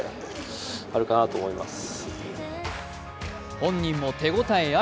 本人も手応えあり。